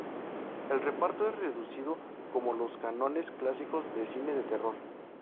El reparto es reducido, como los cánones clásicos del cine de terror.